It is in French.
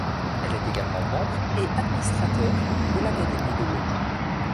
Elle est également membre et administrateur de l'Académie de l'Eau.